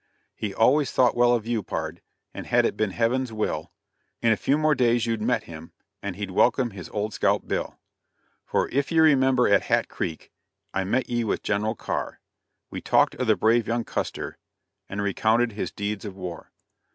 He always thought well of you, pard, And had it been heaven's will, In a few more days you'd met him, And he'd welcome his old scout Bill. For if ye remember at Hat Creek, I met ye with General Carr; We talked of the brave young Custer, And recounted his deeds of war.